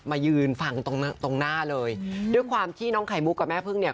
มายืนฟังตรงตรงหน้าเลยด้วยความที่น้องไข่มุกกับแม่พึ่งเนี่ย